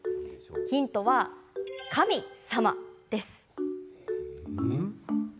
ヒントは、カミ様です。